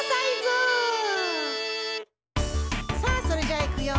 さあそれじゃあいくよ！